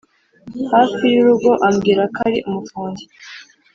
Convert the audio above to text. hafi y'urugo, ambwira ko ari umufundi.